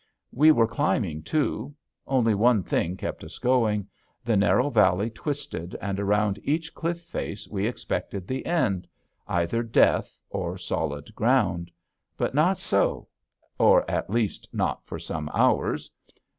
We were climbing, too. Only one thing kept us going. The narrow valley twisted, and around each cliff face we expected the end either death or solid ground. But not so, or, at least, not for some hours.